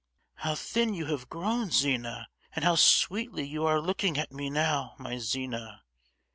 "How thin you have grown, Zina! and how sweetly you are looking at me now, my Zina!